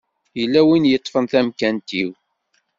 Yella win i yeṭṭfen tamkant-iw.